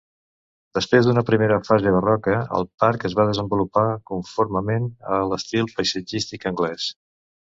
Després d'una primera fase barroca el parc es va desenvolupar conformement a l'estil paisatgístic anglès.